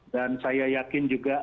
dan saya yakin juga